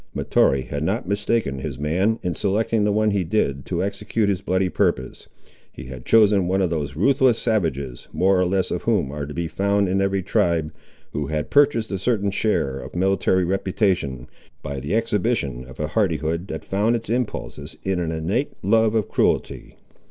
Mahtoree had not mistaken his man, in selecting the one he did to execute his bloody purpose. He had chosen one of those ruthless savages, more or less of whom are to be found in every tribe, who had purchased a certain share of military reputation, by the exhibition of a hardihood that found its impulses in an innate love of cruelty.